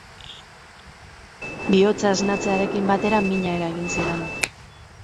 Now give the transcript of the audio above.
Bihotza esnatzearekin batera mina eragin zidan.